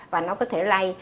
và nó có thể lây